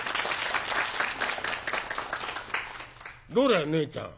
「どうだいねえちゃん」。